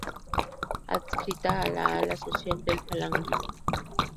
Adscrita al ala "social" del falangismo.